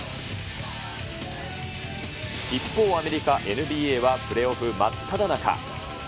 一方、アメリカＮＢＡはプレーオフ真っただ中。